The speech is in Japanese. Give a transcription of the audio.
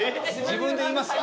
自分で言います？